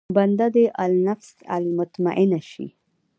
بنده دې النفس المطمئنه شي.